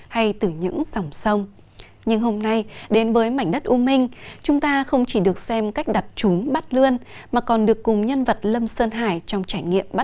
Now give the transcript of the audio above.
hãy đăng ký kênh để ủng hộ kênh của mình nhé